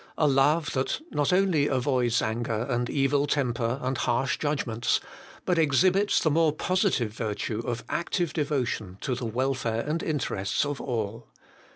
A love that not only avoids anger and evil temper and harsh judgments, but exhibits the more positive virtue of active devotion to the welfare and interests of all.